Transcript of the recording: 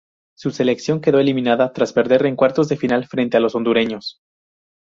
Su selección quedó eliminada tras perder en cuartos de final frente a los hondureños.